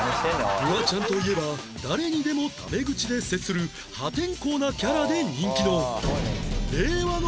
フワちゃんといえば誰にでもタメ口で接する破天荒なキャラで人気の